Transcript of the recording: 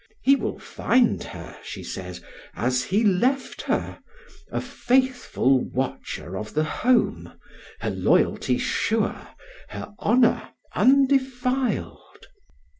He will find her, she says, as he left her, a faithful watcher of the home, her loyalty sure, her honour undefiled.